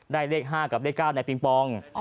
เลข๕กับเลข๙ในปิงปอง